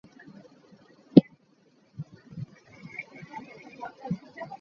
Twalabagana obwedda akuwa mpale nkadde.